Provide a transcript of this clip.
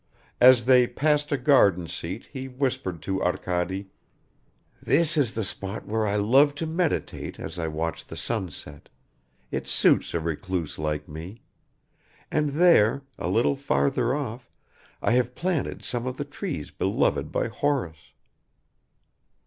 As they passed a garden seat he whispered to Arkady, "This is the spot where I love to meditate as I watch the sunset; it suits a recluse like me. And there, a little farther off, I have planted some of the trees beloved by Horace."